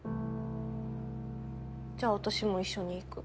じゃ私も一緒に行く。